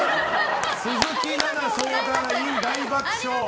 鈴木奈々相談員、大爆笑！